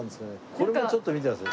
これもちょっと見てください。